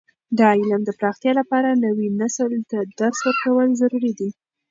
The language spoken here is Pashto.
د علم د پراختیا لپاره، نوي نسل ته درس ورکول ضروري دي.